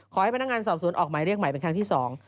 ขอให้พนักงานสอบสวนออกหมายเรียกใหม่เป็นครั้งที่สอง